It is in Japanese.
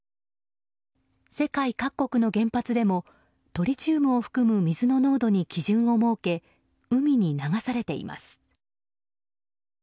世界各国の原発でもトリチウムを含む水の濃度に基準を設け、海に流されています。